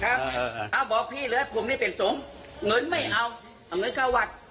เอ้าบอกพี่เลยกลุ่มนี้เป็นสงฆ์เงินไม่เอาเงินเข้าวัด